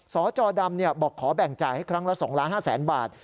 สจดำบอกขอแบ่งจ่ายให้ครั้งละ๒๕๐๐๐๐บาท